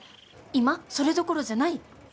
今それどころじゃない。